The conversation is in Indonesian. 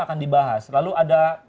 akan dibahas lalu ada